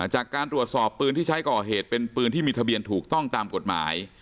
จากการตรวจสอบปืนที่ใช้ก่อเหตุเป็นปืนที่มีทะเบียนถูกต้องตามกฎหมาย